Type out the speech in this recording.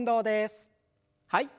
はい。